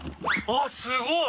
あっすごい！